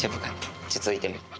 落ち着いてね。